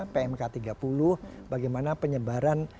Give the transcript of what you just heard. pmk tiga puluh bagaimana penyebaran